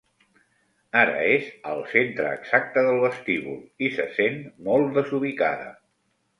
Ara és al centre exacte del vestíbul i se sent molt desubicada.